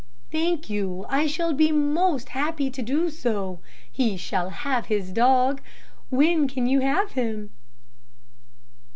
"Thank you; I shall be most happy to do so. He shall have his dog. When can you have him?"